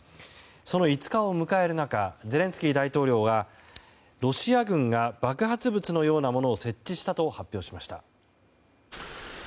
その５日を迎える中ゼレンスキー大統領がロシア軍が爆発物のようなものを設置したと発表しました。